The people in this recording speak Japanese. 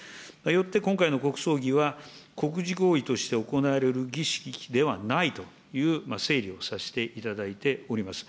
よって今回の国葬儀は、国事行為として行える儀式ではないという整理をさせていただいております。